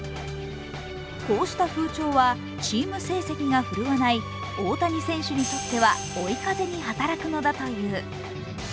こうした風潮はチーム成績が振るわない大谷選手にとっては追い風に働くのだという。